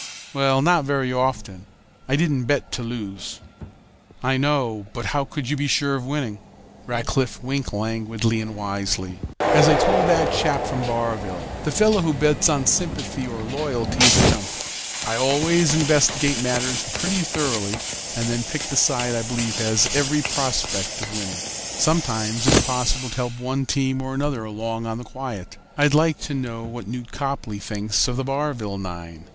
"Well, not very often. I didn't bet to lose." "I know, but how could you be sure of winning?" Rackliff winked languidly and wisely. "As I told that chap from Barville, the fellow who bets on sympathy or loyalty is a chump. I always investigate matters pretty thoroughly, and then pick the side I believe has every prospect of winning. Sometimes it's possible to help one team or another along on the quiet. I'd like to know what Newt Copley thinks of the Barville nine.